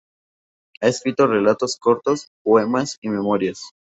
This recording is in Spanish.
Ha escrito relatos cortos, poemas y memorias.